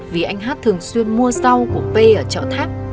vì anh hát thường xuyên mua rau của p ở trọng tháp